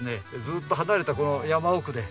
ずーっと離れたこの山奥で。